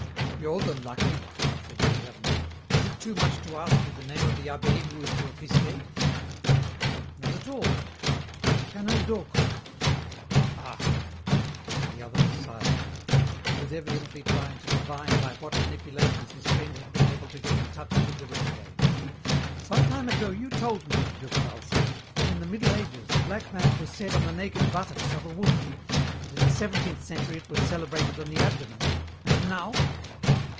"You're the lucky one!" said Des Hermies. "Is it too much to ask you the name of the abbé who is to officiate?" "Not at all. Canon Docre." "Ah!" and the other was silent. He was evidently trying to divine by what manipulations his friend had been able to get in touch with the renegade. "Some time ago you told me," Durtal said, "that in the Middle Ages the Black Mass was said on the naked buttocks of a woman, that in the seventeenth century it was celebrated on the abdomen, and now?"